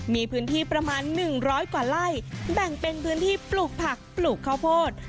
มีพื้นที่ประมาณ๑๐๐กว่าไล่แบ่งเป็นพื้นที่ปลูกผักปลูกข้าวโพด